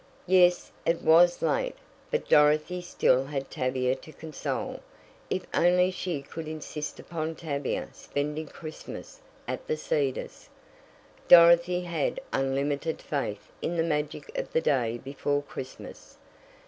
Yes, it was late, but Dorothy still had Tavia to console if only she could insist upon Tavia spending Christmas at The Cedars Dorothy had unlimited faith in the magic of the day before Christmas.